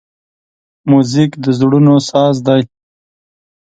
موزیک د زړونو ساز دی.